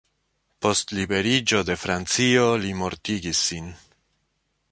Post liberiĝo de Francio, li mortigis sin.